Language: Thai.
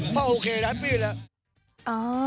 พ่อโอเคแล้วพี่แล้ว